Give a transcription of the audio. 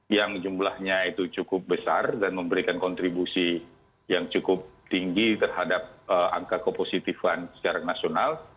yang jumlahnya itu cukup besar dan memberikan kontribusi yang cukup tinggi terhadap angka kepositifan secara nasional